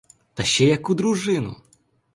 Та ще яку дружину?!